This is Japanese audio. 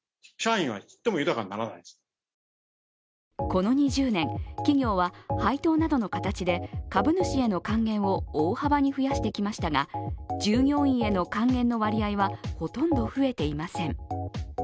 この２０年、企業は配当などの形で株主への還元を大幅に増やしてきましたが、従業員への還元の割合はほとんど増えていません。